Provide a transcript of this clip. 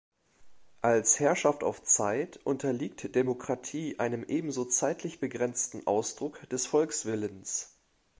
Als Herrschaft auf Zeit, unterliegt Demokratie einem ebenso zeitlich begrenzten Ausdruck des Volkswillens.